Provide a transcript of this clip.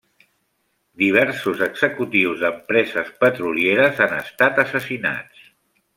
Diversos executius d'empreses petrolieres han estat assassinats.